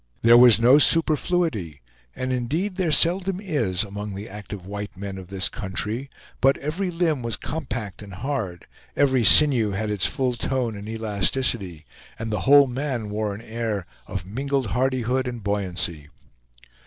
There was no superfluity, and indeed there seldom is among the active white men of this country, but every limb was compact and hard; every sinew had its full tone and elasticity, and the whole man wore an air of mingled hardihood and buoyancy.